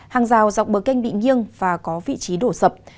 hàng rào dọc bờ canh bị nghiêng và có vị trí đổ sập